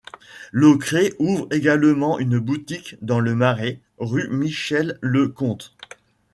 Locré ouvre également une boutique dans le Marais, rue Michel-le-Comte.